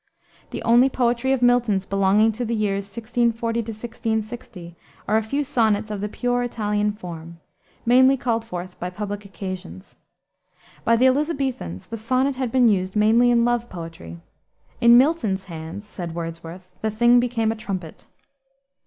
The only poetry of Milton's belonging to the years 1640 1660 are a few sonnets of the pure Italian form, mainly called forth by public occasions. By the Elisabethans the sonnet had been used mainly in love poetry. In Milton's hands, said Wordsworth, "the thing became a trumpet."